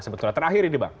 sebetulnya terakhir ini bang